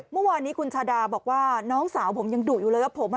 เมื่อวานนี้คุณชาดาบอกว่าน้องสาวผมยังดุอยู่เลยว่าผมอ่ะ